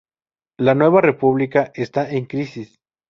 La Nueva República está en crisis.